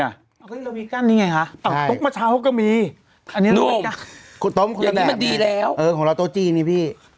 เรามีก้านนี้ไงคะโต๊ะเมื่อเช้าก็มีอันนี้มันดีแล้วของเราโต๊ะจีนนี่พี่